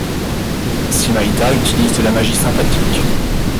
Simaitha utilise de la magie sympathique.